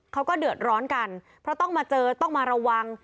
เขาก็เดือดร้อนกันเพราะต้องมาเจอต้องมาระวัง